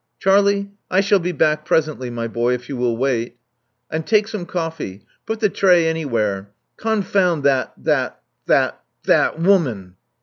Charlie: I shall be back presently, my boy, if you will wait. And take some coffee. Put the tray anywhere. Confound that — that — that — that woman.